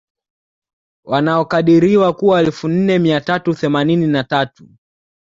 Wanaokadiriwa kuwa elfu nne mia tatu themanini na tatu